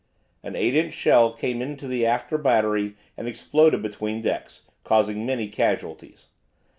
An 8 inch shell came into the after battery and exploded between decks, causing many casualties.